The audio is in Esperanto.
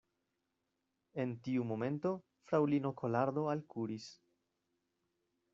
En tiu momento, fraŭlino Kolardo alkuris.